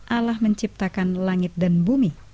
alah menciptakan langit dan bumi